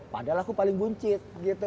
padahal aku paling buncit gitu